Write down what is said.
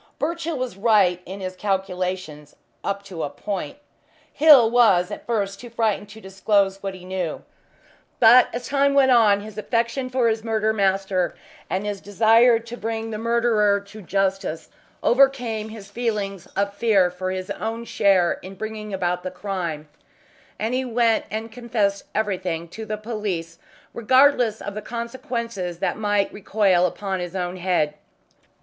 Birchill was right in his calculations up to a point. Hill was at first too frightened to disclose what he knew, but as time went on his affection for his murdered master, and his desire to bring the murderer to justice, overcame his feelings of fear for his own share in bringing about the crime, and he went and confessed everything to the police, regardless of the consequences that might recoil upon his own head.